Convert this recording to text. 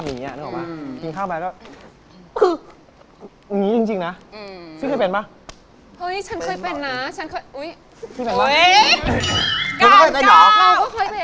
ฉันสนใจตรงนี้คุณกัล